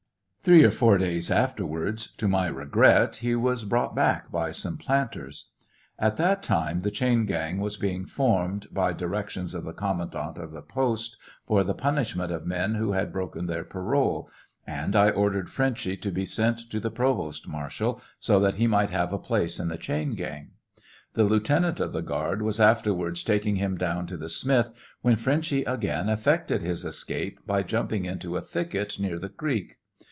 Three or four days after wards, to my regret, he was brought back by some planters. At that time the chain gang was being formed, by directions of the commandant of the post, fur the punishment of men who had broken their parole, and I ordered Frenchy to be sent to the provost marshal so that he might have a place in the chain gang. The lieutenant of the guard was afterwards taking him down to the smith, when Frenchy again effected his escape by jumping into a thicket near the creek.